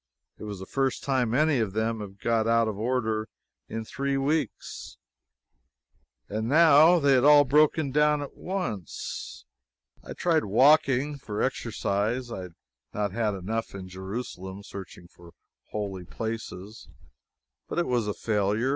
It was the first time any of them had got out of order in three weeks, and now they had all broken down at once. I tried walking, for exercise I had not had enough in Jerusalem searching for holy places. But it was a failure.